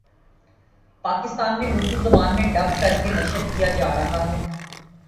پاکستان میں اردو زبان میں ڈب کر کے نشر کیا جارہا ہے